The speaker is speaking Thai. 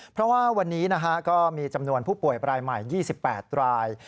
เพราะว่าวันนี้ก็มีจำนวนผู้ป่วยรายใหม่๒๘ราย